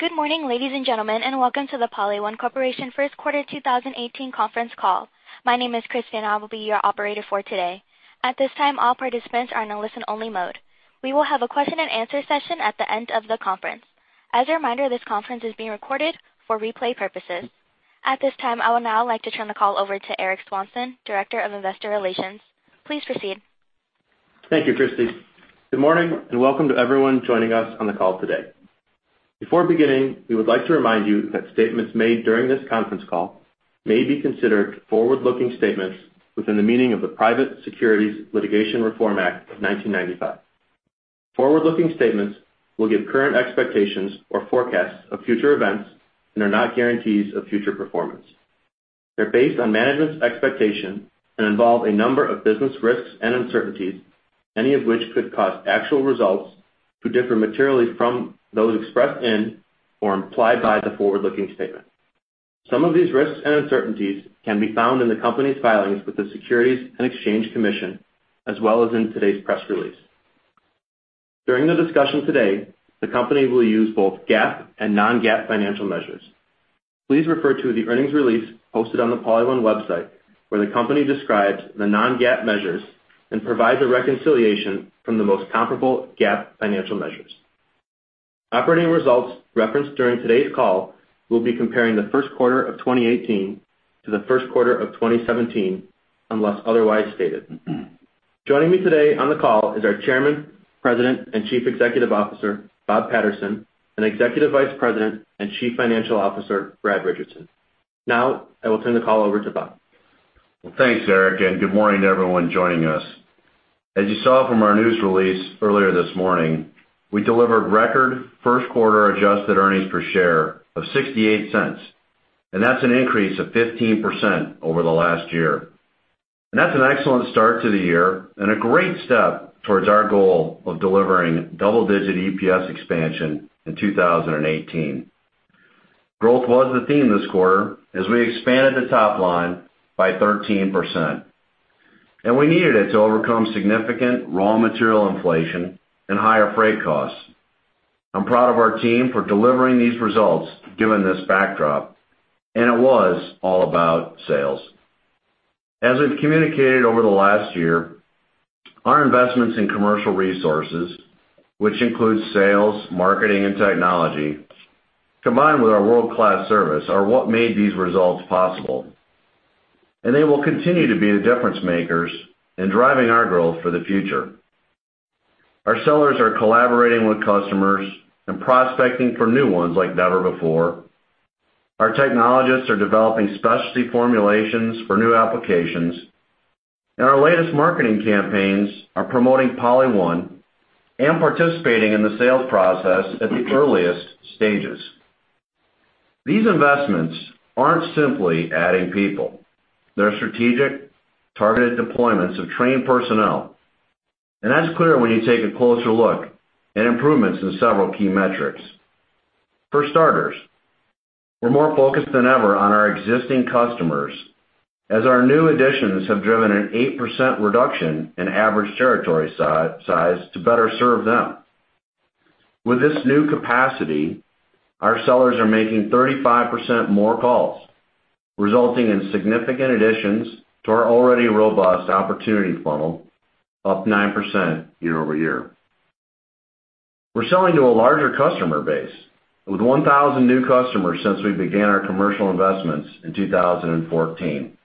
Good morning, ladies and gentlemen, welcome to the PolyOne Corporation first quarter 2018 conference call. My name is Christy, I will be your operator for today. At this time, all participants are in a listen-only mode. We will have a question and answer session at the end of the conference. As a reminder, this conference is being recorded for replay purposes. At this time, I would now like to turn the call over to Eric Swanson, Director of Investor Relations. Please proceed. Thank you, Christy. Good morning, welcome to everyone joining us on the call today. Before beginning, we would like to remind you that statements made during this conference call may be considered forward-looking statements within the meaning of the Private Securities Litigation Reform Act of 1995. Forward-looking statements will give current expectations or forecasts of future events and are not guarantees of future performance. They're based on management's expectation and involve a number of business risks and uncertainties, any of which could cause actual results to differ materially from those expressed in or implied by the forward-looking statement. Some of these risks and uncertainties can be found in the company's filings with the Securities and Exchange Commission, as well as in today's press release. During the discussion today, the company will use both GAAP and non-GAAP financial measures. Please refer to the earnings release posted on the PolyOne website, where the company describes the non-GAAP measures and provides a reconciliation from the most comparable GAAP financial measures. Operating results referenced during today's call will be comparing the first quarter of 2018 to the first quarter of 2017, unless otherwise stated. Joining me today on the call is our Chairman, President, and Chief Executive Officer, Bob Patterson, Executive Vice President and Chief Financial Officer, Brad Richardson. I will turn the call over to Bob. Thanks, Eric, good morning to everyone joining us. As you saw from our news release earlier this morning, we delivered record first quarter adjusted EPS of $0.68, that's an increase of 15% over the last year. That's an excellent start to the year and a great step towards our goal of delivering double-digit EPS expansion in 2018. Growth was the theme this quarter as we expanded the top line by 13%, we needed it to overcome significant raw material inflation and higher freight costs. I'm proud of our team for delivering these results given this backdrop, it was all about sales. As we've communicated over the last year, our investments in commercial resources, which includes sales, marketing, and technology, combined with our world-class service, are what made these results possible. They will continue to be the difference makers in driving our growth for the future. Our sellers are collaborating with customers and prospecting for new ones like never before. Our technologists are developing specialty formulations for new applications, our latest marketing campaigns are promoting PolyOne and participating in the sales process at the earliest stages. These investments aren't simply adding people. They're strategic, targeted deployments of trained personnel, and that's clear when you take a closer look at improvements in several key metrics. For starters, we're more focused than ever on our existing customers, as our new additions have driven an 8% reduction in average territory size to better serve them. With this new capacity, our sellers are making 35% more calls, resulting in significant additions to our already robust opportunity funnel, up 9% year-over-year. We're selling to a larger customer base, with 1,000 new customers since we began our commercial investments in 2014.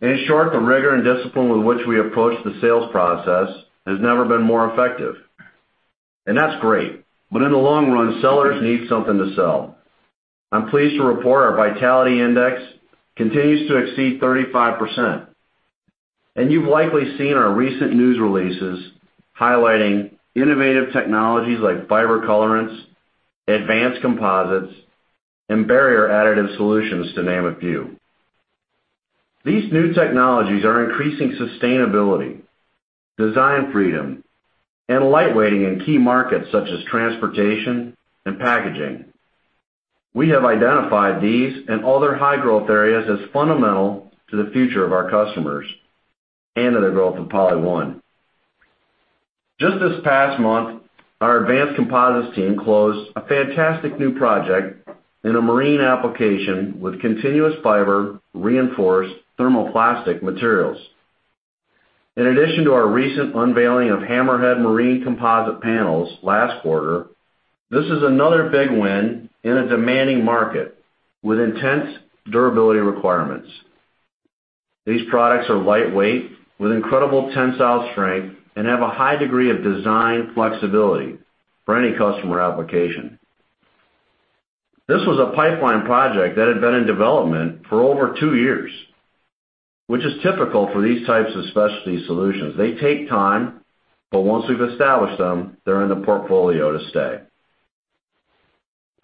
In short, the rigor and discipline with which we approach the sales process has never been more effective, and that's great. In the long run, sellers need something to sell. I'm pleased to report our Vitality Index continues to exceed 35%, and you've likely seen our recent news releases highlighting innovative technologies like fiber colorants, advanced composites, and barrier additive solutions, to name a few. These new technologies are increasing sustainability, design freedom, and lightweighting in key markets such as transportation and packaging. We have identified these and other high-growth areas as fundamental to the future of our customers and to the growth of PolyOne. Just this past month, our advanced composites team closed a fantastic new project in a marine application with continuous fiber reinforced thermoplastic materials. In addition to our recent unveiling of Hammerhead marine composite panels last quarter, this is another big win in a demanding market with intense durability requirements. These products are lightweight with incredible tensile strength and have a high degree of design flexibility for any customer application. This was a pipeline project that had been in development for over two years, which is typical for these types of specialty solutions. They take time, but once we've established them, they're in the portfolio to stay.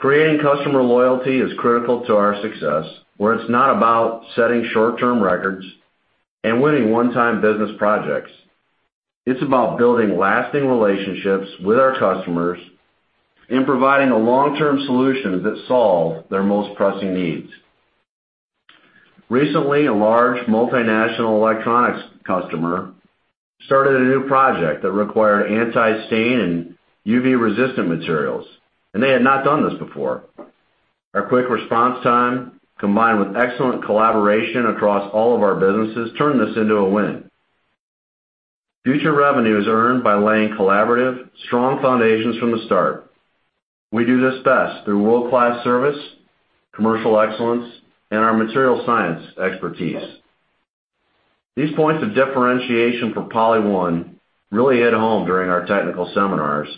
Creating customer loyalty is critical to our success, where it's not about setting short-term records and winning one-time business projects. It's about building lasting relationships with our customers and providing a long-term solution that solve their most pressing needs. Recently, a large multinational electronics customer started a new project that required anti-stain and UV-resistant materials, and they had not done this before. Our quick response time, combined with excellent collaboration across all of our businesses, turned this into a win. Future revenue is earned by laying collaborative, strong foundations from the start. We do this best through world-class service, commercial excellence, and our material science expertise. These points of differentiation for PolyOne really hit home during our technical seminars,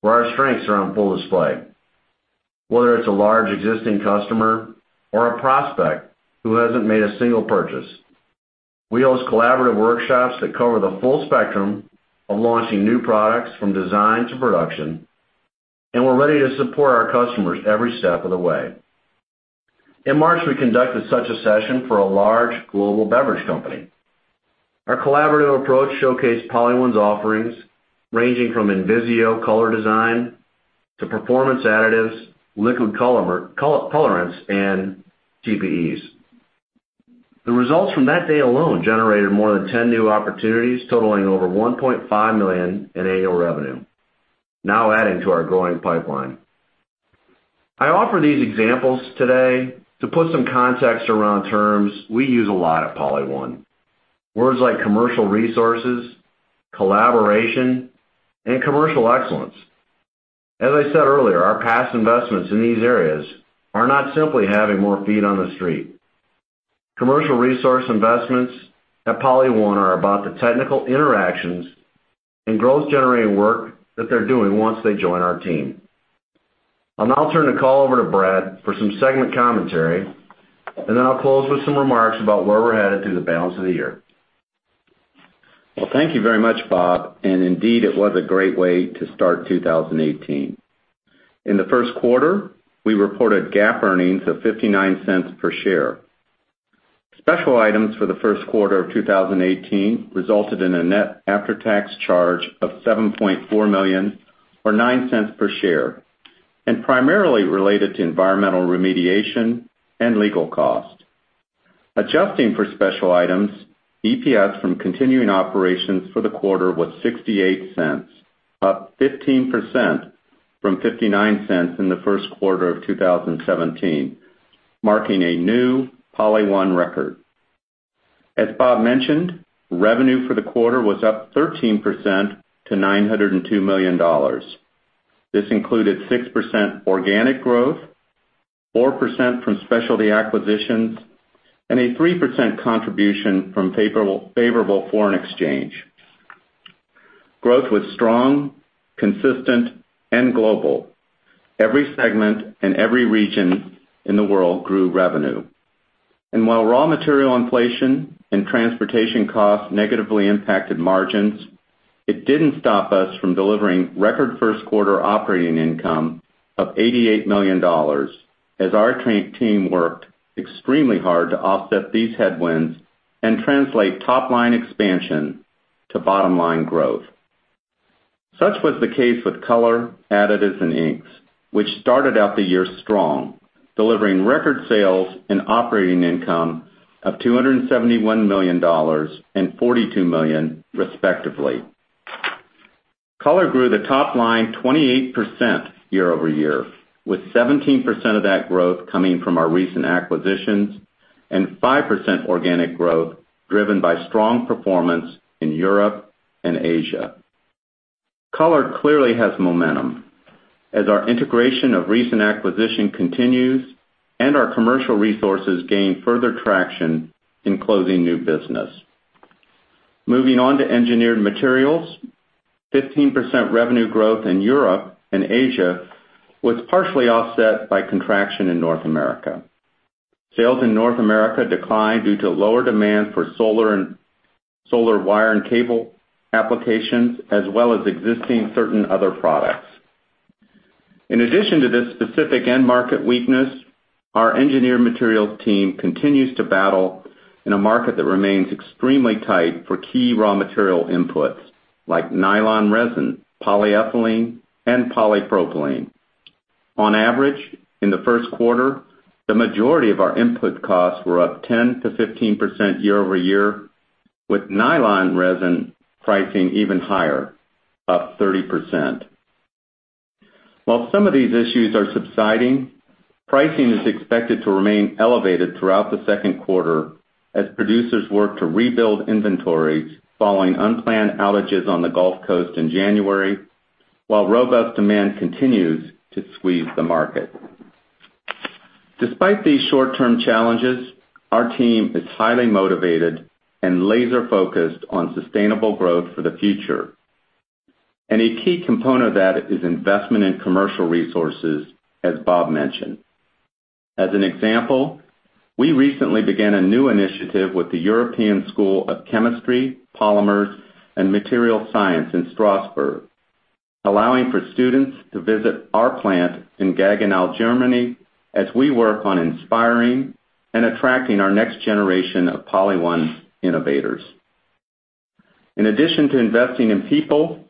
where our strengths are on full display. Whether it's a large existing customer or a prospect who hasn't made a single purchase, we host collaborative workshops that cover the full spectrum of launching new products, from design to production, and we're ready to support our customers every step of the way. In March, we conducted such a session for a large global beverage company. Our collaborative approach showcased PolyOne's offerings, ranging from InVisiO color design to performance additives, liquid colorants, and TPEs. The results from that day alone generated more than 10 new opportunities, totaling over $1.5 million in annual revenue, now adding to our growing pipeline. I offer these examples today to put some context around terms we use a lot at PolyOne. Words like commercial resources, collaboration, and commercial excellence. As I said earlier, our past investments in these areas are not simply having more feet on the street. Commercial resource investments at PolyOne are about the technical interactions and growth-generating work that they're doing once they join our team. Then I'll turn the call over to Brad for some segment commentary, and then I'll close with some remarks about where we're headed through the balance of the year. Well, thank you very much, Bob. Indeed, it was a great way to start 2018. In the first quarter, we reported GAAP earnings of $0.59 per share. Special items for the first quarter of 2018 resulted in a net after-tax charge of $7.4 million, or $0.09 per share, and primarily related to environmental remediation and legal costs. Adjusting for special items, EPS from continuing operations for the quarter was $0.68, up 15% from $0.59 in the first quarter of 2017, marking a new PolyOne record. As Bob mentioned, revenue for the quarter was up 13% to $902 million. This included 6% organic growth, 4% from specialty acquisitions, and a 3% contribution from favorable foreign exchange. Growth was strong, consistent, and global. Every segment and every region in the world grew revenue. While raw material inflation and transportation costs negatively impacted margins, it didn't stop us from delivering record first quarter operating income of $88 million, as our team worked extremely hard to offset these headwinds and translate top-line expansion to bottom-line growth. Such was the case with Color, Additives, and Inks, which started out the year strong, delivering record sales and operating income of $271 million and $42 million, respectively. Color grew the top line 28% year-over-year, with 17% of that growth coming from our recent acquisitions and 5% organic growth driven by strong performance in Europe and Asia. Color clearly has momentum as our integration of recent acquisition continues and our commercial resources gain further traction in closing new business. Moving on to Engineered Materials, 15% revenue growth in Europe and Asia was partially offset by contraction in North America. Sales in North America declined due to lower demand for solar wire and cable applications, as well as existing certain other products. In addition to this specific end market weakness, our Engineered Materials team continues to battle in a market that remains extremely tight for key raw material inputs like nylon resin, polyethylene, and polypropylene. On average, in the first quarter, the majority of our input costs were up 10%-15% year-over-year, with nylon resin pricing even higher, up 30%. While some of these issues are subsiding, pricing is expected to remain elevated throughout the second quarter as producers work to rebuild inventories following unplanned outages on the Gulf Coast in January, while robust demand continues to squeeze the market. Despite these short-term challenges, our team is highly motivated and laser-focused on sustainable growth for the future. A key component of that is investment in commercial resources, as Bob mentioned. As an example, we recently began a new initiative with the European School of Chemistry, Polymers and Materials Science in Strasbourg, allowing for students to visit our plant in Gaggenau, Germany, as we work on inspiring and attracting our next generation of PolyOne innovators. In addition to investing in people,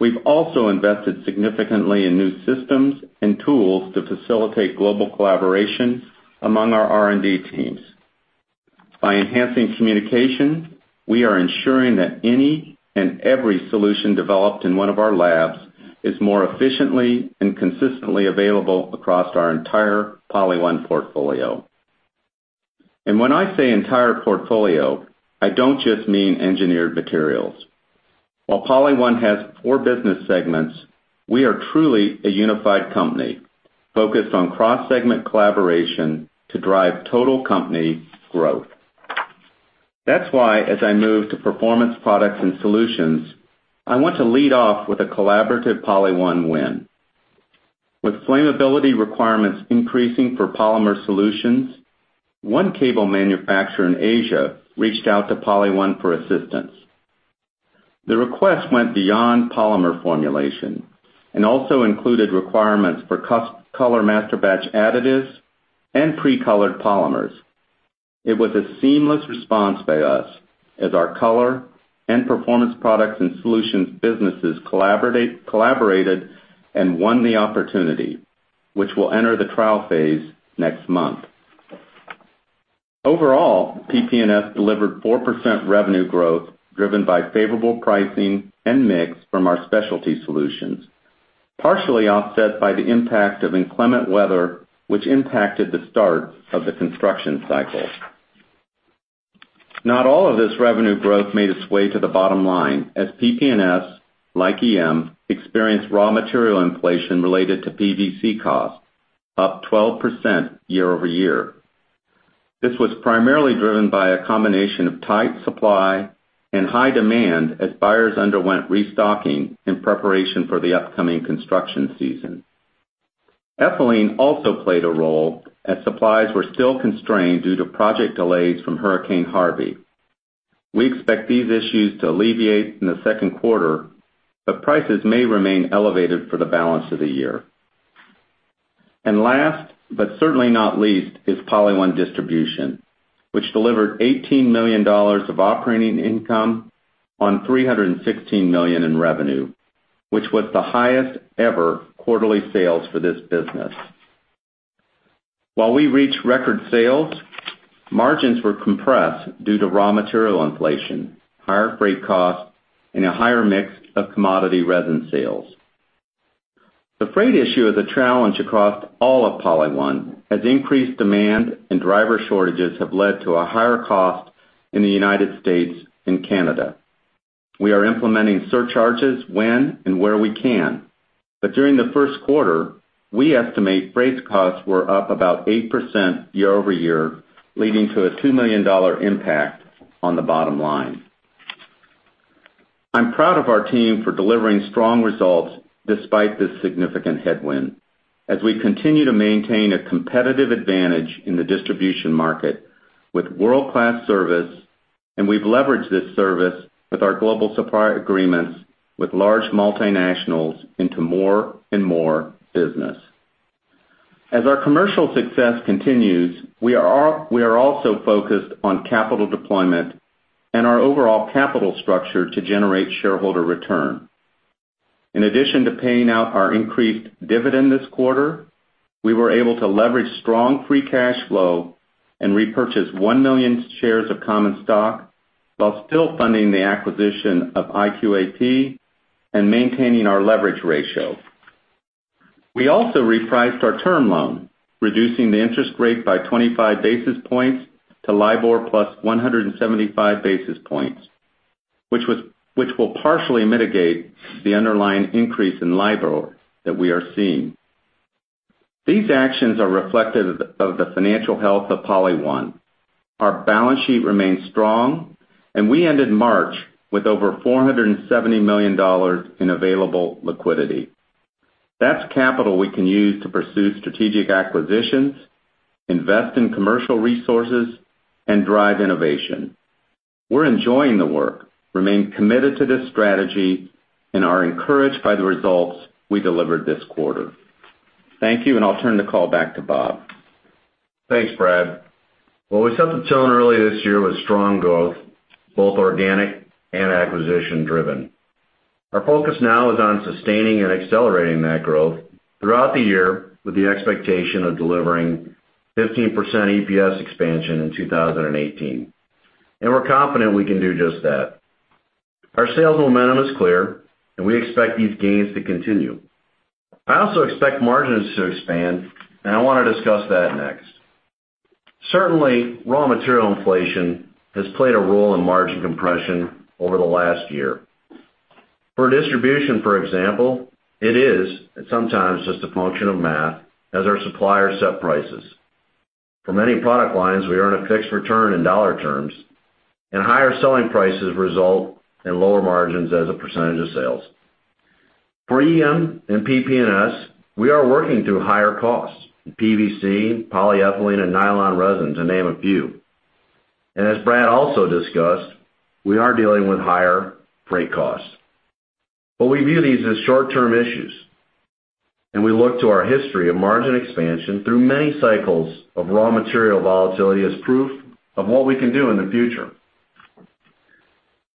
we've also invested significantly in new systems and tools to facilitate global collaboration among our R&D teams. By enhancing communication, we are ensuring that any and every solution developed in one of our labs is more efficiently and consistently available across our entire PolyOne portfolio. When I say entire portfolio, I don't just mean Specialty Engineered Materials. While PolyOne has four business segments, we are truly a unified company, focused on cross-segment collaboration to drive total company growth. That's why as I move to Performance Products and Solutions, I want to lead off with a collaborative PolyOne win. With flammability requirements increasing for polymer solutions, one cable manufacturer in Asia reached out to PolyOne for assistance. The request went beyond polymer formulation and also included requirements for Color master batch additives and pre-colored polymers. It was a seamless response by us as our Color and Performance Products and Solutions businesses collaborated and won the opportunity, which will enter the trial phase next month. Overall, PP&S delivered 4% revenue growth, driven by favorable pricing and mix from our specialty solutions, partially offset by the impact of inclement weather, which impacted the start of the construction cycle. Not all of this revenue growth made its way to the bottom line, as PP&S, like EM, experienced raw material inflation related to PVC costs up 12% year-over-year. This was primarily driven by a combination of tight supply and high demand as buyers underwent restocking in preparation for the upcoming construction season. Ethylene also played a role, as supplies were still constrained due to project delays from Hurricane Harvey. We expect these issues to alleviate in the second quarter, but prices may remain elevated for the balance of the year. Last, but certainly not least, is PolyOne Distribution, which delivered $18 million of operating income on $316 million in revenue, which was the highest ever quarterly sales for this business. While we reached record sales, margins were compressed due to raw material inflation, higher freight costs, and a higher mix of commodity resin sales. The freight issue is a challenge across all of PolyOne as increased demand and driver shortages have led to a higher cost in the U.S. and Canada. We are implementing surcharges when and where we can. During the first quarter, we estimate freight costs were up about 8% year-over-year, leading to a $2 million impact on the bottom line. I'm proud of our team for delivering strong results despite this significant headwind as we continue to maintain a competitive advantage in the distribution market with world-class service, and we've leveraged this service with our global supply agreements with large multinationals into more and more business. As our commercial success continues, we are also focused on capital deployment and our overall capital structure to generate shareholder return. In addition to paying out our increased dividend this quarter, we were able to leverage strong free cash flow and repurchase one million shares of common stock while still funding the acquisition of IQAP and maintaining our leverage ratio. We also repriced our term loan, reducing the interest rate by 25 basis points to LIBOR plus 175 basis points, which will partially mitigate the underlying increase in LIBOR that we are seeing. These actions are reflective of the financial health of PolyOne. Our balance sheet remains strong, and we ended March with over $470 million in available liquidity. That's capital we can use to pursue strategic acquisitions, invest in commercial resources, and drive innovation. We're enjoying the work, remain committed to this strategy, and are encouraged by the results we delivered this quarter. Thank you, and I'll turn the call back to Bob. Thanks, Brad. We set the tone early this year with strong growth, both organic and acquisition-driven. Our focus now is on sustaining and accelerating that growth throughout the year with the expectation of delivering 15% EPS expansion in 2018, and we're confident we can do just that. Our sales momentum is clear, and we expect these gains to continue. I also expect margins to expand, and I want to discuss that next. Certainly, raw material inflation has played a role in margin compression over the last year. For distribution, for example, it is sometimes just a function of math as our suppliers set prices. For many product lines, we earn a fixed return in dollar terms, and higher selling prices result in lower margins as a percentage of sales. For EM and PP&S, we are working through higher costs, in PVC, polyethylene, and nylon resin, to name a few. As Brad also discussed, we are dealing with higher freight costs. We view these as short-term issues. We look to our history of margin expansion through many cycles of raw material volatility as proof of what we can do in the future.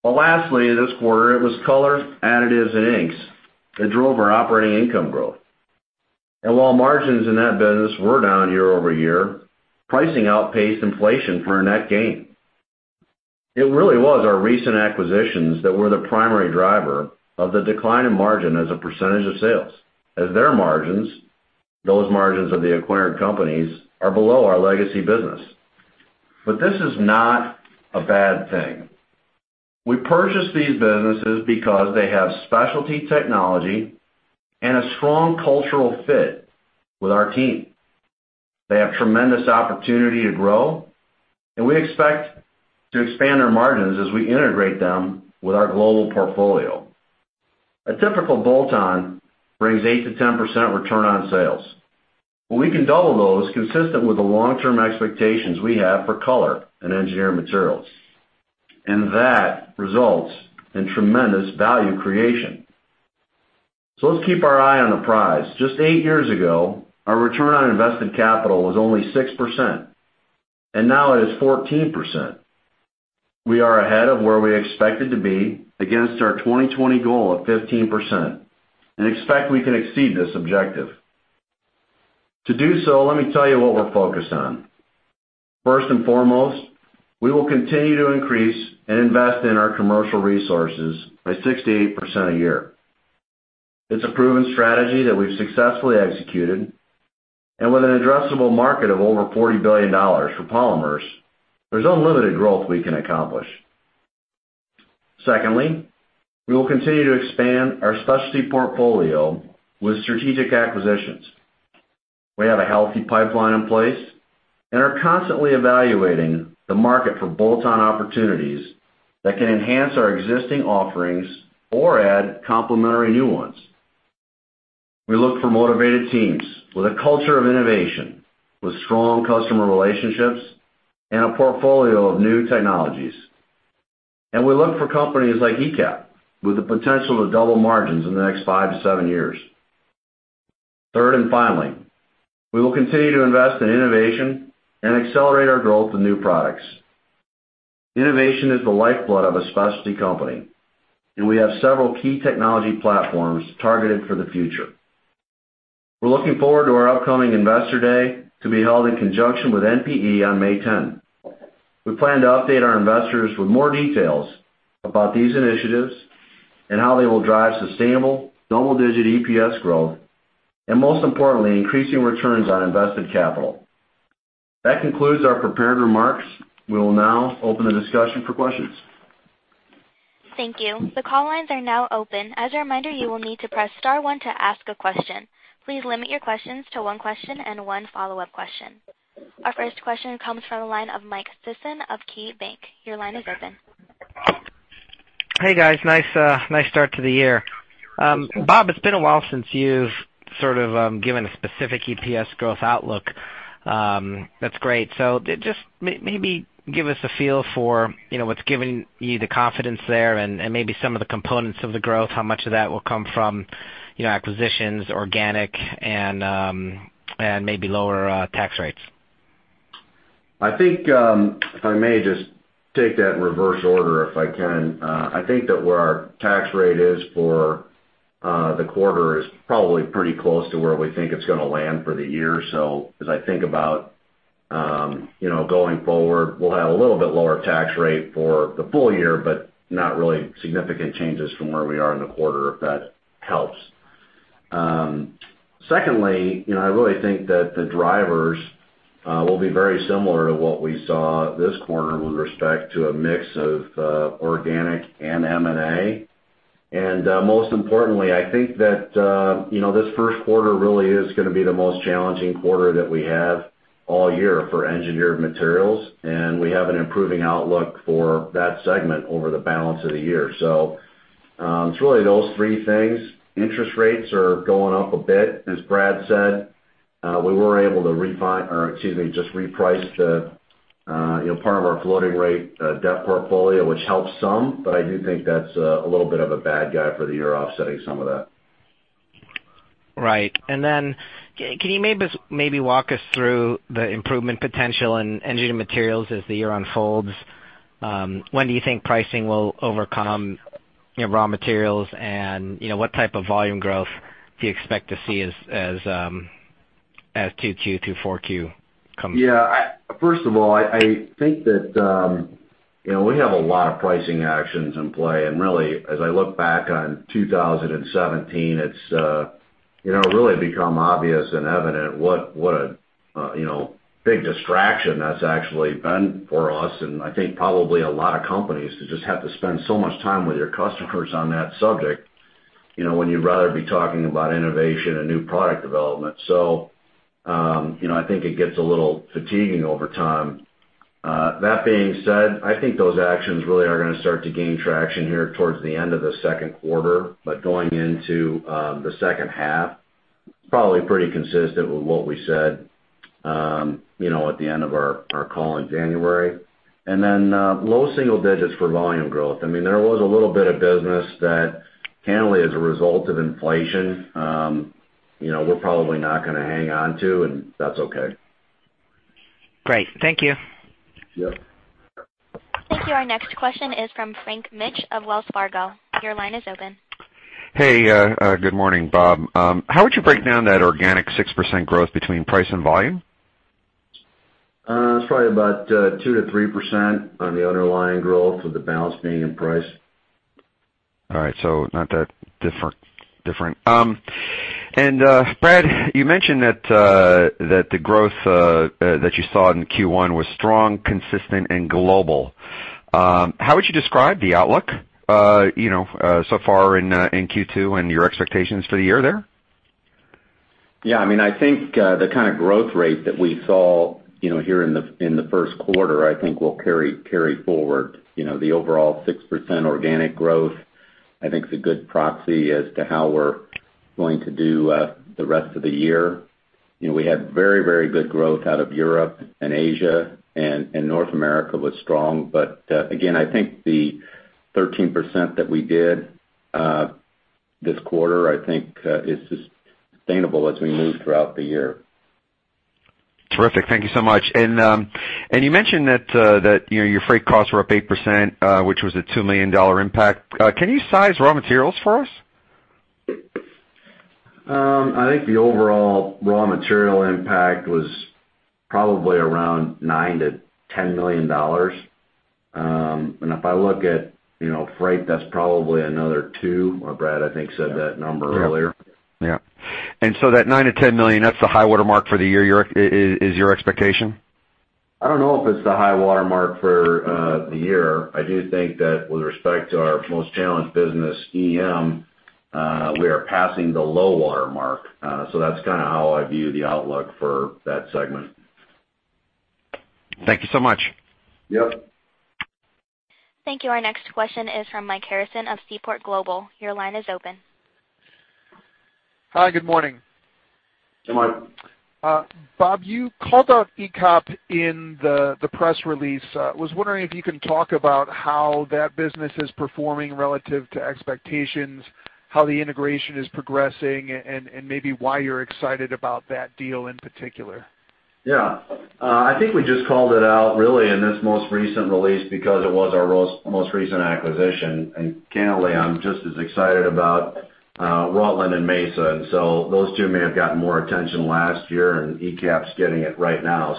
Lastly, this quarter it was Color, Additives and Inks that drove our operating income growth. While margins in that business were down year over year, pricing outpaced inflation for a net gain. It really was our recent acquisitions that were the primary driver of the decline in margin as a percentage of sales, as their margins, those margins of the acquired companies, are below our legacy business. This is not a bad thing. We purchased these businesses because they have specialty technology and a strong cultural fit with our team. They have tremendous opportunity to grow, and we expect to expand their margins as we integrate them with our global portfolio. A typical bolt-on brings 8%-10% return on sales, but we can double those consistent with the long-term expectations we have for color and engineering materials. That results in tremendous value creation. Let's keep our eye on the prize. Just eight years ago, our return on invested capital was only 6%, and now it is 14%. We are ahead of where we expected to be against our 2020 goal of 15%, and expect we can exceed this objective. To do so, let me tell you what we're focused on. First and foremost, we will continue to increase and invest in our commercial resources by 6%-8% a year. It's a proven strategy that we've successfully executed, with an addressable market of over $40 billion for polymers, there's unlimited growth we can accomplish. Secondly, we will continue to expand our specialty portfolio with strategic acquisitions. We have a healthy pipeline in place and are constantly evaluating the market for bolt-on opportunities that can enhance our existing offerings or add complementary new ones. We look for motivated teams with a culture of innovation, with strong customer relationships, and a portfolio of new technologies. We look for companies like IQAP, with the potential to double margins in the next five to seven years. Third and finally, we will continue to invest in innovation and accelerate our growth in new products. Innovation is the lifeblood of a specialty company, and we have several key technology platforms targeted for the future. We're looking forward to our upcoming Investor Day to be held in conjunction with NPE on May 10. We plan to update our investors with more details about these initiatives and how they will drive sustainable double-digit EPS growth, and most importantly, increasing returns on invested capital. That concludes our prepared remarks. We will now open the discussion for questions. Thank you. The call lines are now open. As a reminder, you will need to press star one to ask a question. Please limit your questions to one question and one follow-up question. Our first question comes from the line of Mike Sison of KeyBank. Your line is open. Hey, guys. Nice start to the year. Bob, it's been a while since you've sort of given a specific EPS growth outlook. That's great. Just maybe give us a feel for what's giving you the confidence there and maybe some of the components of the growth, how much of that will come from acquisitions, organic, and maybe lower tax rates. I think, if I may just take that in reverse order, if I can. I think that where our tax rate is for the quarter is probably pretty close to where we think it's going to land for the year. As I think about going forward, we will have a little bit lower tax rate for the full year, but not really significant changes from where we are in the quarter, if that helps. Secondly, I really think that the drivers will be very similar to what we saw this quarter with respect to a mix of organic and M&A. Most importantly, I think that this first quarter really is going to be the most challenging quarter that we have all year for Specialty Engineered Materials, and we have an improving outlook for that segment over the balance of the year. It's really those three things. Interest rates are going up a bit, as Brad said. We were able to just reprice the part of our floating rate debt portfolio, which helps some, but I do think that's a little bit of a bad guy for the year offsetting some of that. Right. Can you maybe walk us through the improvement potential in Specialty Engineered Materials as the year unfolds? When do you think pricing will overcome raw materials, and what type of volume growth do you expect to see as 2Q to 4Q comes? Yeah. First of all, I think that we have a lot of pricing actions in play, and really, as I look back on 2017, it's really become obvious and evident what a big distraction that's actually been for us, and I think probably a lot of companies to just have to spend so much time with your customers on that subject, when you'd rather be talking about innovation and new product development. I think it gets a little fatiguing over time. That being said, I think those actions really are going to start to gain traction here towards the end of the second quarter. Going into the second half, probably pretty consistent with what we said at the end of our call in January. Low single digits for volume growth. There was a little bit of business that, candidly, as a result of inflation, we're probably not going to hang on to, and that's okay. Great. Thank you. Yep. Thank you. Our next question is from Frank Mitsch of Wells Fargo. Your line is open. Hey, good morning, Bob. How would you break down that organic 6% growth between price and volume? It's probably about 2%-3% on the underlying growth, with the balance being in price. All right. Not that different. Brad, you mentioned that the growth that you saw in Q1 was strong, consistent and global. How would you describe the outlook so far in Q2 and your expectations for the year there? Yeah, I think the kind of growth rate that we saw here in the first quarter, I think, will carry forward. The overall 6% organic growth, I think, is a good proxy as to how we're going to do the rest of the year. We had very good growth out of Europe and Asia, and North America was strong. Again, I think the 13% that we did this quarter is sustainable as we move throughout the year. Terrific. Thank you so much. You mentioned that your freight costs were up 8%, which was a $2 million impact. Can you size raw materials for us? I think the overall raw material impact was probably around $9 million-$10 million. If I look at freight, that is probably another $2 million, or Brad, I think, said that number earlier. Yeah. That $9 million-$10 million, that is the high water mark for the year, is your expectation? I don't know if it's the high water mark for the year. I do think that with respect to our most challenged business, EM, we are passing the low water mark. That is kind of how I view the outlook for that segment. Thank you so much. Yep. Thank you. Our next question is from Mike Harrison of Seaport Global. Your line is open. Hi, good morning. Hey, Mike. Bob, you called out IQAP in the press release. I was wondering if you can talk about how that business is performing relative to expectations, how the integration is progressing, and maybe why you're excited about that deal in particular. Yeah. I think we just called it out really in this most recent release because it was our most recent acquisition. Candidly, I'm just as excited about Rutland and Mesa. Those two may have gotten more attention last year, and IQAP's getting it right now.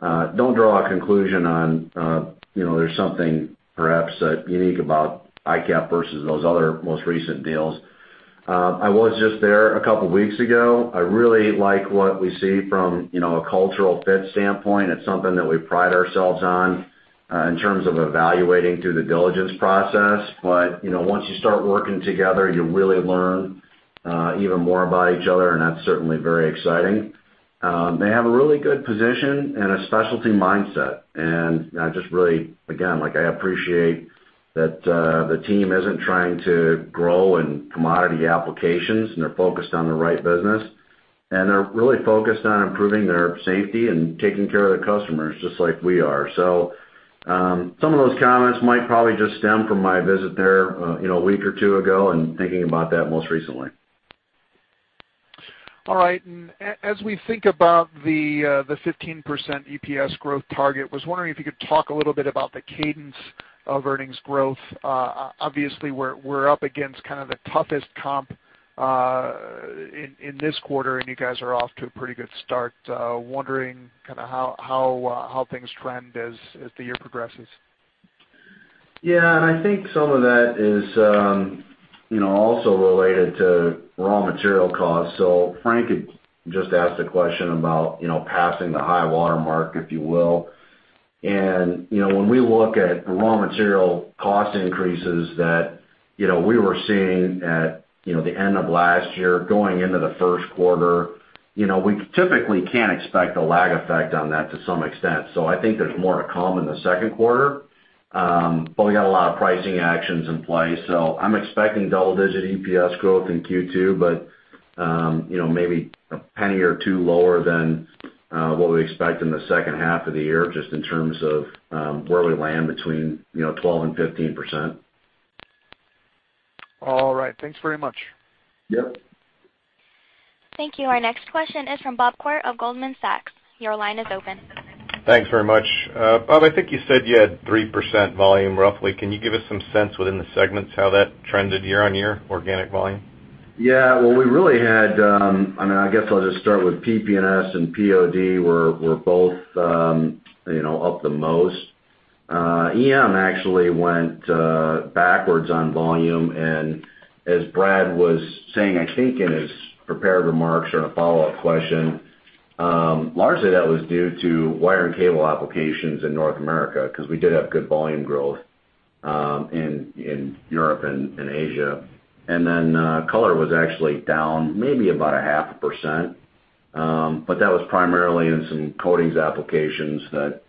Don't draw a conclusion on there's something perhaps unique about IQAP versus those other most recent deals. I was just there a couple of weeks ago. I really like what we see from a cultural fit standpoint. It's something that we pride ourselves on in terms of evaluating through the diligence process. Once you start working together, you really learn even more about each other, and that's certainly very exciting. They have a really good position and a specialty mindset. I just really, again, I appreciate that the team isn't trying to grow in commodity applications and they're focused on the right business. They're really focused on improving their safety and taking care of their customers, just like we are. Some of those comments might probably just stem from my visit there a week or two ago and thinking about that most recently. All right. As we think about the 15% EPS growth target, I was wondering if you could talk a little bit about the cadence of earnings growth. Obviously, we're up against kind of the toughest comp in this quarter. You guys are off to a pretty good start. Wondering kind of how things trend as the year progresses. Yeah. I think some of that is also related to raw material costs. Frank had just asked a question about passing the high water mark, if you will. When we look at the raw material cost increases that we were seeing at the end of last year going into the first quarter, we typically can expect a lag effect on that to some extent. I think there's more to come in the second quarter. We got a lot of pricing actions in place. I'm expecting double-digit EPS growth in Q2, but maybe a penny or two lower than what we expect in the second half of the year, just in terms of where we land between 12% and 15%. All right. Thanks very much. Yep. Thank you. Our next question is from Bob Koort of Goldman Sachs. Your line is open. Thanks very much. Bob, I think you said you had 3% volume roughly. Can you give us some sense within the segments how that trended year-over-year organic volume? Well, I guess I'll just start with PP&S and POD were both up the most. EM actually went backwards on volume, and as Brad was saying, I think in his prepared remarks or in a follow-up question, largely that was due to wire and cable applications in North America because we did have good volume growth in Europe and Asia. Color was actually down maybe about 0.5%. That was primarily in some coatings applications that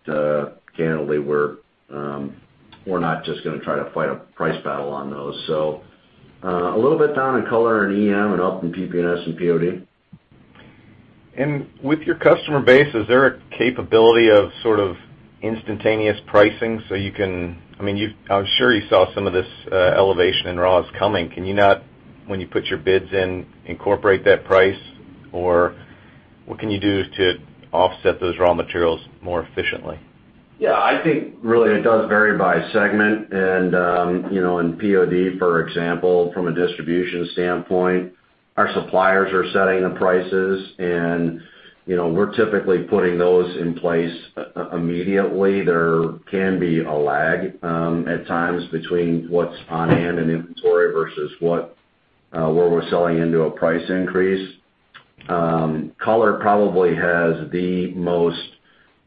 candidly we're not just going to try to fight a price battle on those. A little bit down in Color and EM and up in PP&S and POD. With your customer base, is there a capability of sort of instantaneous pricing so you can I'm sure you saw some of this elevation in raws coming. Can you not, when you put your bids in, incorporate that price? What can you do to offset those raw materials more efficiently? Yeah, I think really it does vary by segment. In POD, for example, from a distribution standpoint, our suppliers are setting the prices and we're typically putting those in place immediately. There can be a lag, at times, between what's on hand and inventory versus where we're selling into a price increase. Color probably has the most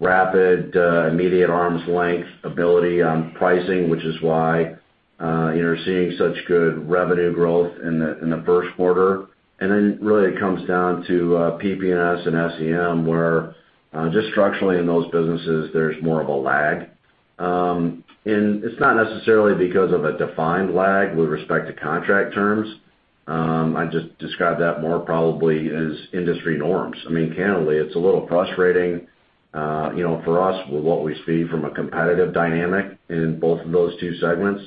rapid, immediate arm's length ability on pricing, which is why you're seeing such good revenue growth in the first quarter. Really it comes down to PP&S and EM, where just structurally in those businesses, there's more of a lag. It's not necessarily because of a defined lag with respect to contract terms. I just describe that more probably as industry norms. I mean, candidly, it's a little frustrating for us with what we see from a competitive dynamic in both of those two segments.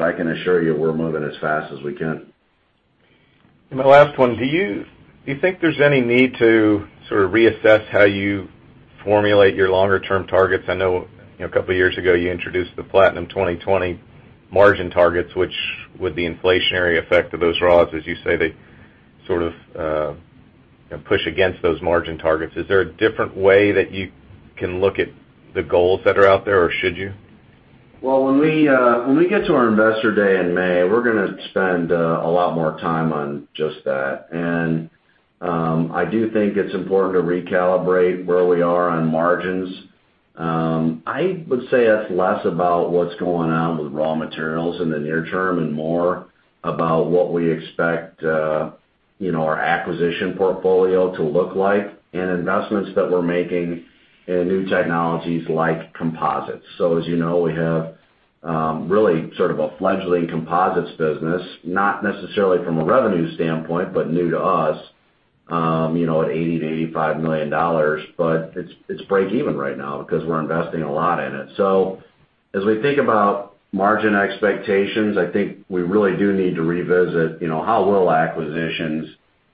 I can assure you, we're moving as fast as we can. My last one, do you think there's any need to sort of reassess how you formulate your longer term targets? I know a couple of years ago you introduced the Platinum 2020 margin targets, which with the inflationary effect of those raws, as you say, they sort of push against those margin targets. Is there a different way that you can look at the goals that are out there, or should you? Well, when we get to our investor day in May, we're going to spend a lot more time on just that. I do think it's important to recalibrate where we are on margins. I would say it's less about what's going on with raw materials in the near term and more about what we expect our acquisition portfolio to look like and investments that we're making in new technologies like composites. As you know, we have really sort of a fledgling composites business, not necessarily from a revenue standpoint, but new to us, at $80 million-$85 million. It's break-even right now because we're investing a lot in it. As we think about margin expectations, I think we really do need to revisit how will acquisitions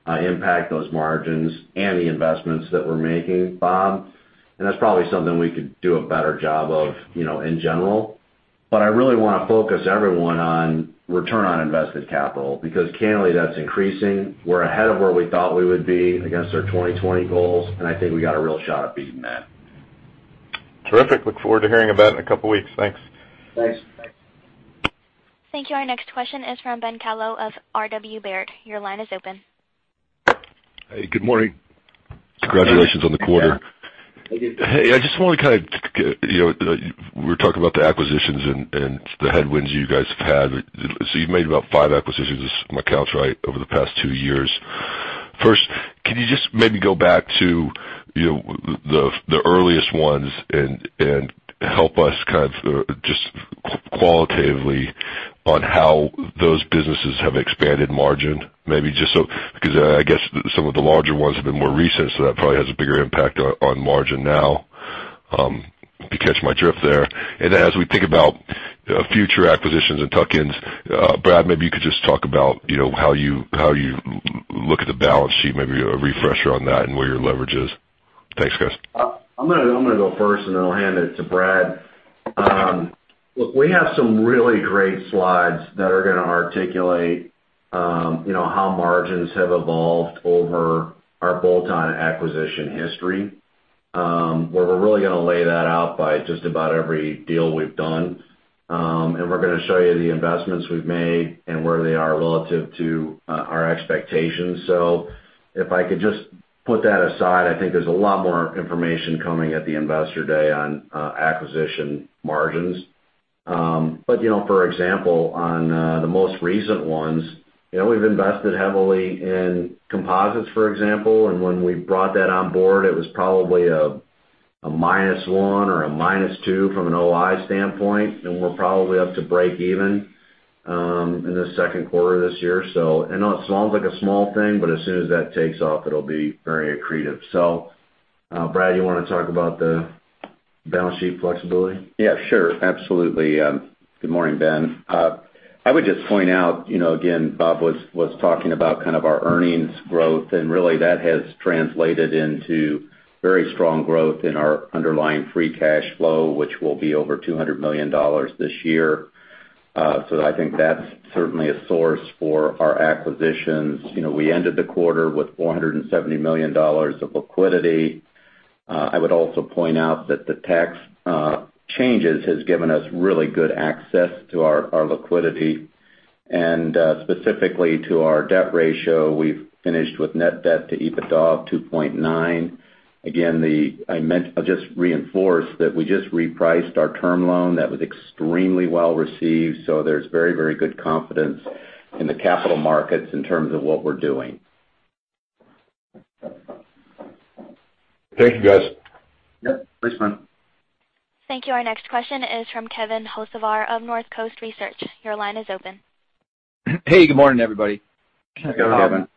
impact those margins and the investments that we're making, Bob? That's probably something we could do a better job of in general. I really want to focus everyone on return on invested capital, because candidly, that's increasing. We're ahead of where we thought we would be against our 2020 goals, and I think we got a real shot at beating that. Terrific. Look forward to hearing about it in a couple of weeks. Thanks. Thanks. Thank you. Our next question is from Ben Kallo of RW Baird. Your line is open. Hey, good morning. Congratulations on the quarter. Thanks, Ben. Thank you. Hey, I just want to kind of We were talking about the acquisitions and the headwinds you guys have had. You've made about five acquisitions, if my count's right, over the past two years. First, can you just maybe go back to the earliest ones and help us kind of just qualitatively on how those businesses have expanded margin? Maybe just so, because I guess some of the larger ones have been more recent, so that probably has a bigger impact on margin now, if you catch my drift there. As we think about future acquisitions and tuck-ins, Brad, maybe you could just talk about how you look at the balance sheet, maybe a refresher on that and where your leverage is. Thanks, guys. I'm going to go first. Then I'll hand it to Brad. Look, we have some really great slides that are going to articulate how margins have evolved over our bolt-on acquisition history, where we're really going to lay that out by just about every deal we've done. We're going to show you the investments we've made and where they are relative to our expectations. If I could just put that aside, I think there's a lot more information coming at the investor day on acquisition margins. For example, on the most recent ones, we've invested heavily in composites, for example. When we brought that on board, it was probably a minus one or a minus two from an OI standpoint, and we're probably up to break even in the second quarter of this year. I know it sounds like a small thing, but as soon as that takes off, it'll be very accretive. Brad, you want to talk about the balance sheet flexibility? Yeah, sure. Absolutely. Good morning, Ben. I would just point out, again, Bob was talking about kind of our earnings growth, and really that has translated into very strong growth in our underlying free cash flow, which will be over $200 million this year. I think that's certainly a source for our acquisitions. We ended the quarter with $470 million of liquidity. I would also point out that the tax changes has given us really good access to our liquidity and specifically to our debt ratio. We've finished with net debt to EBITDA of 2.9. Again, I'll just reinforce that we just repriced our term loan that was extremely well received. There's very good confidence in the capital markets in terms of what we're doing. Thank you, guys. Yep. Thanks, man. Thank you. Our next question is from Kevin Hocevar of Northcoast Research. Your line is open. Hey, good morning, everybody. Good morning, Kevin.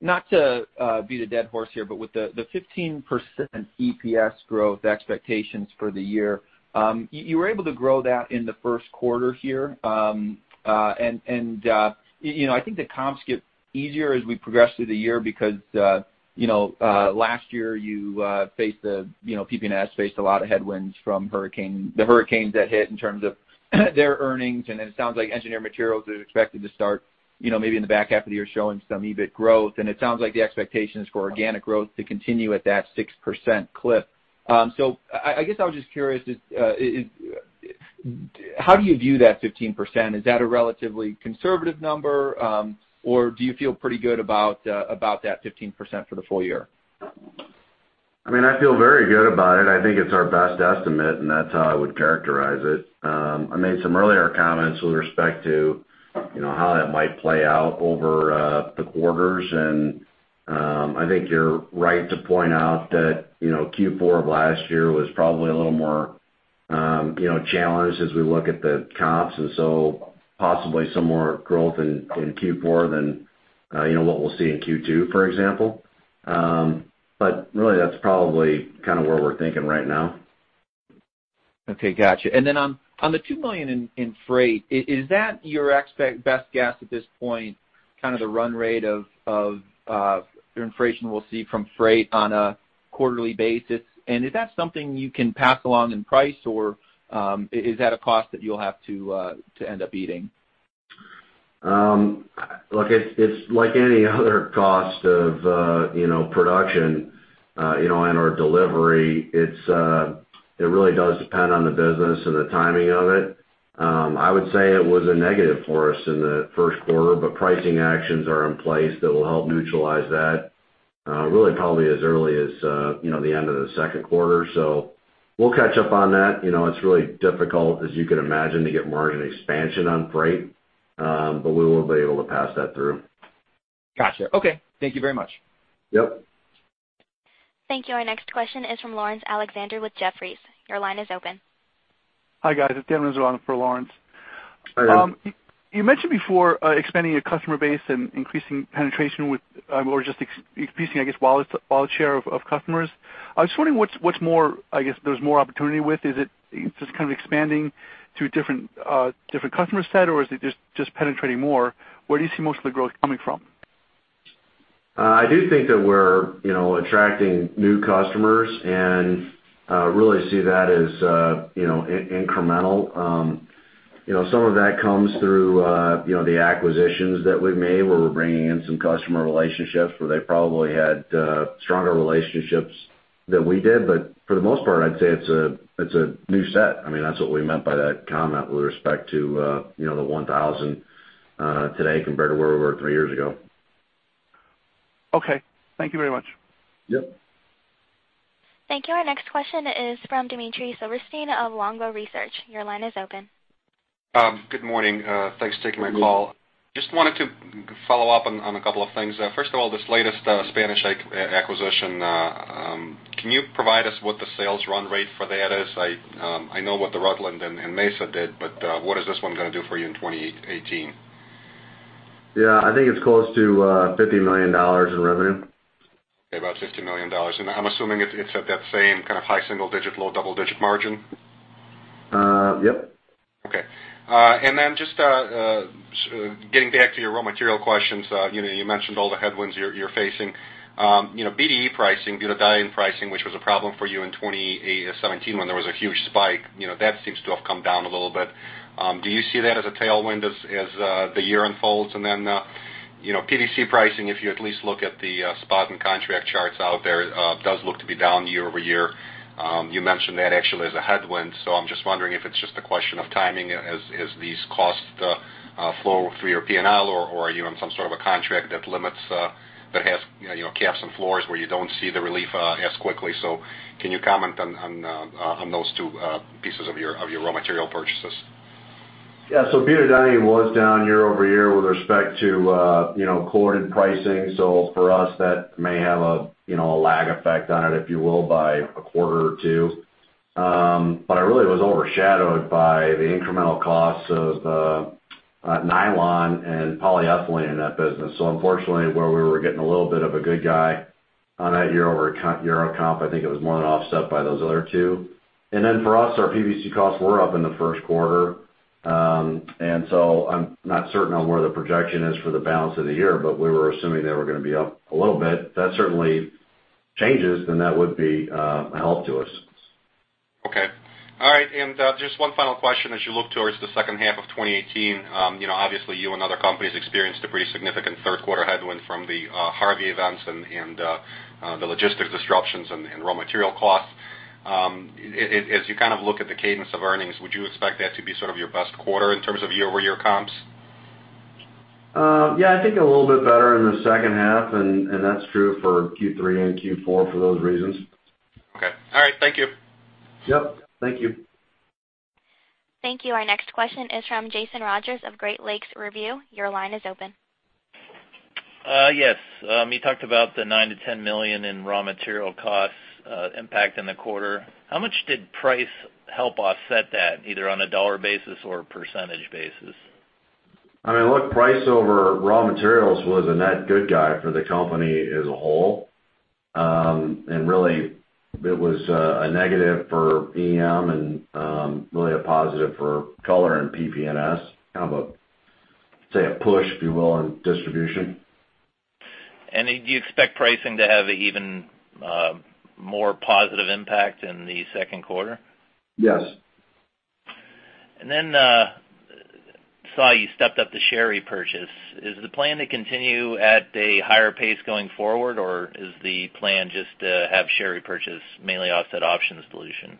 Not to beat a dead horse here, with the 15% EPS growth expectations for the year, you were able to grow that in the first quarter here. I think the comps get easier as we progress through the year because last year, PP&S faced a lot of headwinds from the hurricanes that hit in terms of their earnings. Then it sounds like Engineered Materials is expected to start maybe in the back half of the year showing some EBIT growth, and it sounds like the expectation is for organic growth to continue at that 6% clip. I guess I was just curious, how do you view that 15%? Is that a relatively conservative number? Or do you feel pretty good about that 15% for the full year? I feel very good about it. I think it's our best estimate, and that's how I would characterize it. I made some earlier comments with respect to how that might play out over the quarters. I think you're right to point out that Q4 of last year was probably a little more challenged as we look at the comps, and so possibly some more growth in Q4 than what we'll see in Q2, for example. Really, that's probably where we're thinking right now. Okay, got you. Then on the $2 million in freight, is that your best guess at this point, the run rate of the inflation we'll see from freight on a quarterly basis? Is that something you can pass along in price, or is that a cost that you'll have to end up eating? Look, it's like any other cost of production and/or delivery. It really does depend on the business and the timing of it. I would say it was a negative for us in the first quarter, but pricing actions are in place that will help neutralize that really probably as early as the end of the second quarter. We'll catch up on that. It's really difficult, as you can imagine, to get margin expansion on freight, but we will be able to pass that through. Gotcha. Okay. Thank you very much. Yep. Thank you. Our next question is from Laurence Alexander with Jefferies. Your line is open. Hi, guys. It's Daniel Rozen for Laurence. Hi, Dan. You mentioned before expanding your customer base and increasing penetration or just increasing, I guess, wallet share of customers. I was wondering what's more, I guess, there's more opportunity with, is it just kind of expanding to a different customer set, or is it just penetrating more? Where do you see most of the growth coming from? I do think that we're attracting new customers and really see that as incremental. Some of that comes through the acquisitions that we've made, where we're bringing in some customer relationships where they probably had stronger relationships than we did. For the most part, I'd say it's a new set. That's what we meant by that comment with respect to the 1,000 today compared to where we were three years ago. Okay. Thank you very much. Yep. Thank you. Our next question is from Dmitry Silverstein of Longbow Research. Your line is open. Good morning. Thanks for taking my call. Wanted to follow up on a couple of things. This latest Spanish acquisition, can you provide us what the sales run rate for that is? I know what the Rutland and Mesa did, what is this one going to do for you in 2018? I think it's close to $50 million in revenue. About $50 million. I'm assuming it's at that same kind of high single digit, low double-digit margin? Yep. Getting back to your raw material questions. You mentioned all the headwinds you're facing. BD pricing, butadiene pricing, which was a problem for you in 2017 when there was a huge spike, that seems to have come down a little bit. Do you see that as a tailwind as the year unfolds? PVC pricing, if you at least look at the spot and contract charts out there, does look to be down year-over-year. You mentioned that actually as a headwind. I'm wondering if it's just a question of timing as these costs flow through your P&L, or are you on some sort of a contract that limits, that has caps and floors where you don't see the relief as quickly. Can you comment on those two pieces of your raw material purchases? Yeah. Butadiene was down year-over-year with respect to quoted pricing. For us, that may have a lag effect on it, if you will, by a quarter or two. It really was overshadowed by the incremental costs of nylon and polyethylene in that business. Unfortunately, where we were getting a little bit of a good guy on that year-over-year comp, I think it was more than offset by those other two. For us, our PVC costs were up in the first quarter. I'm not certain on where the projection is for the balance of the year, but we were assuming they were going to be up a little bit. If that certainly changes, that would be a help to us. Okay. All right, just one final question. As you look towards the second half of 2018, obviously you and other companies experienced a pretty significant third quarter headwind from the Harvey events and the logistics disruptions and raw material costs. As you look at the cadence of earnings, would you expect that to be sort of your best quarter in terms of year-over-year comps? Yeah, I think a little bit better in the second half, that's true for Q3 and Q4 for those reasons. Okay. All right. Thank you. Yep. Thank you. Thank you. Our next question is from Jason Rogers of Great Lakes Review. Your line is open. Yes. You talked about the $9 million-$10 million in raw material costs impact in the quarter. How much did price help offset that, either on a dollar basis or a % basis? Look, price over raw materials was a net good guy for the company as a whole. Really it was a negative for EM and really a positive for Color and PP&S, kind of a push, if you will, on distribution. Do you expect pricing to have an even more positive impact in the second quarter? Yes. Saw you stepped up the share repurchase. Is the plan to continue at a higher pace going forward, or is the plan just to have share repurchase mainly offset options dilution?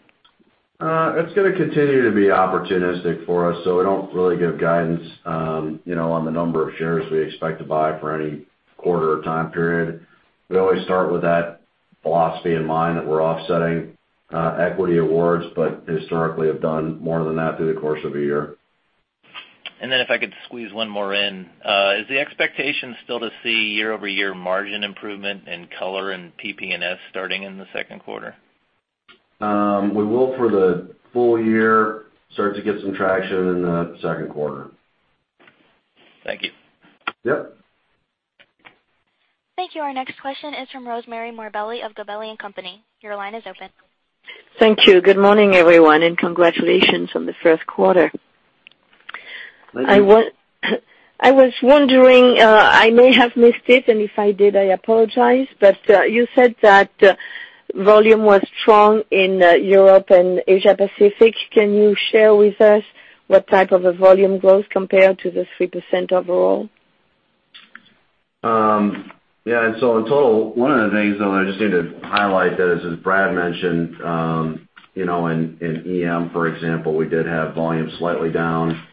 It's going to continue to be opportunistic for us, so we don't really give guidance on the number of shares we expect to buy for any quarter or time period. We always start with that philosophy in mind that we're offsetting equity awards, but historically have done more than that through the course of a year. If I could squeeze one more in, is the expectation still to see year-over-year margin improvement in Color and PP&S starting in the second quarter? We will for the full year, start to get some traction in the second quarter. Thank you. Yep. Thank you. Our next question is from Rosemarie Morbelli of Gabelli & Company. Your line is open. Thank you. Good morning, everyone, and congratulations on the first quarter. Thank you. I was wondering, I may have missed it, and if I did, I apologize, but you said that volume was strong in Europe and Asia Pacific. Can you share with us what type of a volume growth compared to the 3% overall? Yeah. In total, one of the things that I just need to highlight that is, as Brad mentioned, in EM, for example, we did have volume slightly down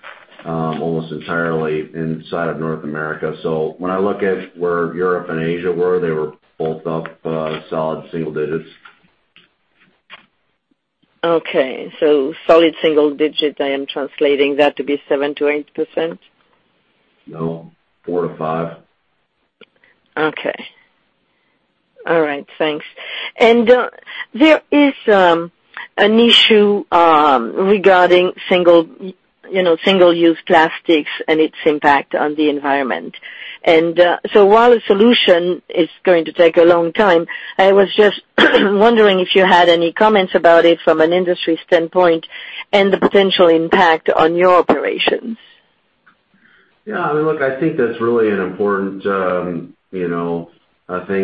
almost entirely inside of North America. When I look at where Europe and Asia were, they were both up solid single digits. Okay. Solid single digit, I am translating that to be 7%-8%? No, 4%-5%. Okay. All right, thanks. There is an issue regarding single-use plastics and its impact on the environment. While a solution is going to take a long time, I was just wondering if you had any comments about it from an industry standpoint and the potential impact on your operations. Yeah, look, I think that's really an important thing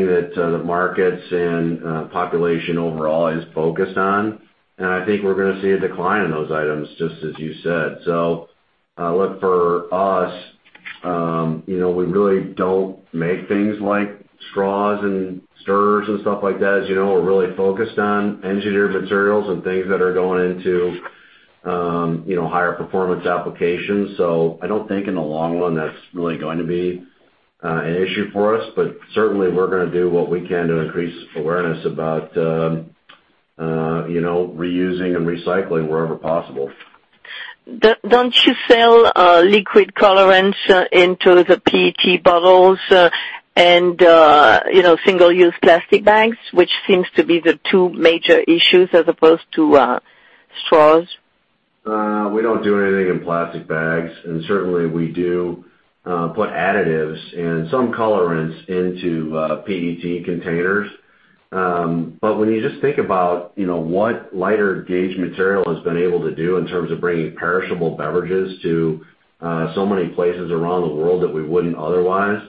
that the markets and population overall is focused on. I think we're going to see a decline in those items, just as you said. Look, for us we really don't make things like straws and stirrers and stuff like that. As you know, we're really focused on engineered materials and things that are going into higher performance applications. I don't think in the long run that's really going to be an issue for us. Certainly we're going to do what we can to increase awareness about reusing and recycling wherever possible. Don't you sell liquid colorants into the PET bottles and single-use plastic bags, which seems to be the two major issues as opposed to straws? We don't do anything in plastic bags, certainly we do put additives and some colorants into PET containers. When you just think about what lighter gauge material has been able to do in terms of bringing perishable beverages to so many places around the world that we wouldn't otherwise,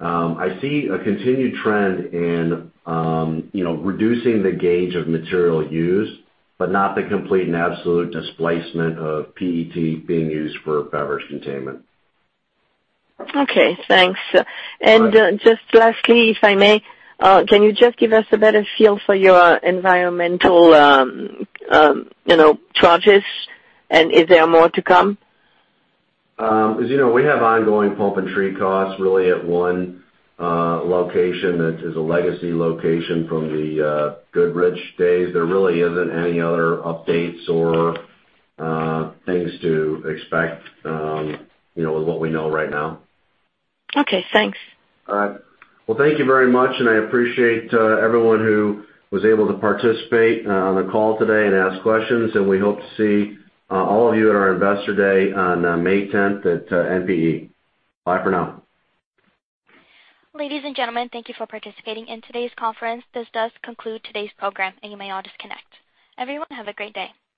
I see a continued trend in reducing the gauge of material used, but not the complete and absolute displacement of PET being used for beverage containment. Okay, thanks. All right. Just lastly, if I may, can you just give us a better feel for your environmental charges, and is there more to come? As you know, we have ongoing pump and treat costs really at one location that is a legacy location from the BFGoodrich days. There really isn't any other updates or things to expect with what we know right now. Okay, thanks. All right. Thank you very much. I appreciate everyone who was able to participate on the call today and ask questions. We hope to see all of you at our Investor Day on May 10th at NPE. Bye for now. Ladies and gentlemen, thank you for participating in today's conference. This does conclude today's program, and you may all disconnect. Everyone, have a great day.